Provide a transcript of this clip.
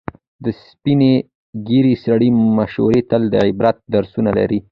د سپینې ږیرې سړي مشورې تل د عبرت درسونه لري.